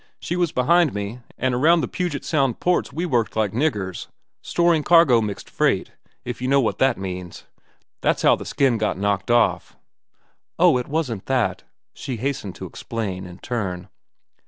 She was behind time, an' around the Puget Sound ports we worked like niggers, storing cargo—mixed freight, if you know what that means. That's how the skin got knocked off." "Oh, it wasn't that," she hastened to explain, in turn.